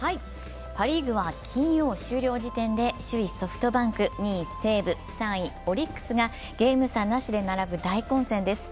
パ・リーグは金曜終了時点で首位・ソフトバンク、２位・西武、３位・オリックスがゲーム差なしで並ぶ大混戦です。